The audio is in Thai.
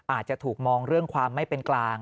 อาจจะถูกมองเรื่องความไม่เป็นกลาง